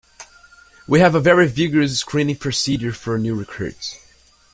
We have a very vigorous screening procedure for new recruits.